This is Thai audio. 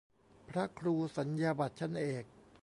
พระครูสัญญาบัตรชั้นเอก